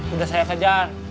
udah saya kejar